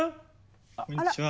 こんにちは。